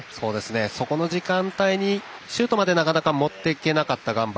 その時間帯にシュートまでなかなか持っていけなかったガンバ。